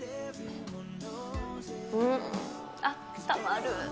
うーん、あったまる。